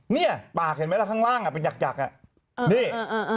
เนี่ยปากเห็นไหมล่ะข้างล่างเป็นหยักอ่ะนี่